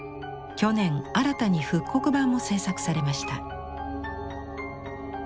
去年新たに復刻版も制作されました。